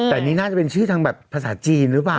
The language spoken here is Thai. แต่นี่น่าจะเป็นชื่อทางแบบภาษาจีนหรือเปล่า